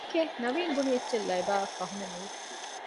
ކީކޭ؟ ނަވީން ބުނި އެއްޗެއް ލައިބާއަށް ފަހުމެއް ނުވި